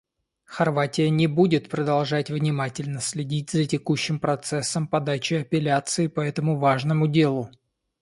Хорватия будет продолжать внимательно следить за текущим процессом подачи апелляций по этому важному делу.